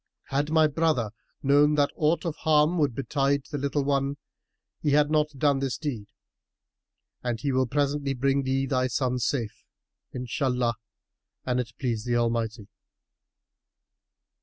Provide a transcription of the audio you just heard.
Had my brother known that aught of harm would betide the little one, he had not done this deed; and he will presently bring thee thy son safe, Inshallah—an it please the Almighty."